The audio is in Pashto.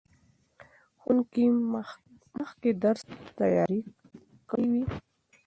ښوونکي مخکې درس تیار کړی و.